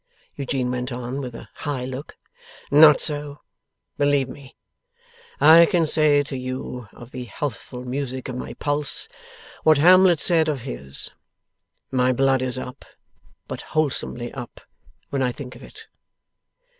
Eugene went on, with a high look; 'not so, believe me. I can say to you of the healthful music of my pulse what Hamlet said of his. My blood is up, but wholesomely up, when I think of it.